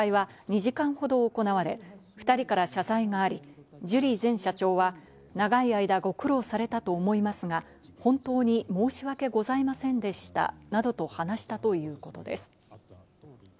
面会は２時間ほど行われ、２人から謝罪があり、ジュリー前社長は長い間ご苦労されたと思いますが、本当に申し訳ございませんでしたなどと話したということです。